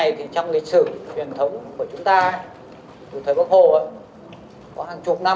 cái này thì trong lịch sử truyền thống của chúng ta từ thời bắc hồ có hàng chục năm